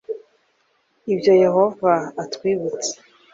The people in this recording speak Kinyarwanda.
Ibyo Yehova atwibutsa